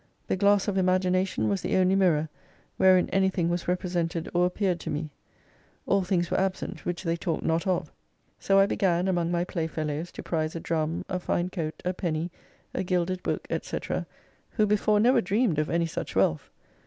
The glass of imagination was the only mirror, wherein anything was represented or appeared to me. All things were absent which they talked not of. So I began among my play fellows to prize a drum, a fine coat, a penny ^ a gilded book, &.C., who before never dreamed of any such wealth.